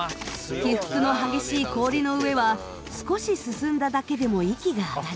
起伏の激しい氷の上は少し進んだだけでも息が上がる。